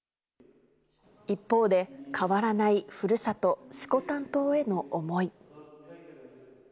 一方で、変わらないふるさと色丹島への思い。